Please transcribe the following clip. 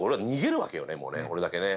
「俺だけね。